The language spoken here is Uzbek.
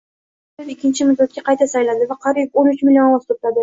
Shavkat Mirziyoyev ikkinchi muddatga qayta saylandi va qariybo´n uchmillion ovoz to‘pladi